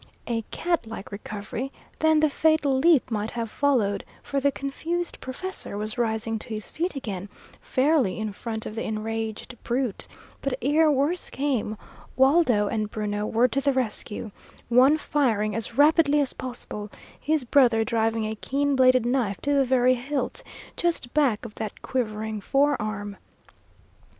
A cat like recovery, then the fatal leap might have followed, for the confused professor was rising to his feet again, fairly in front of the enraged brute; but ere worse came, Waldo and Bruno were to the rescue, one firing as rapidly as possible, his brother driving a keen bladed knife to the very hilt just back of that quivering forearm.